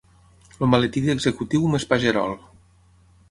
El maletí d'executiu més pagerol.